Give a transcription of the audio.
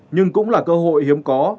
nhưng cũng là cơ hội hiếm có